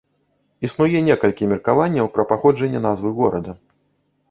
Існуе некалькі меркаванняў пра паходжанне назвы горада.